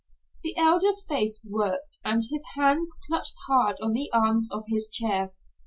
The Elder's face worked and his hands clutched hard on the arms of his chair.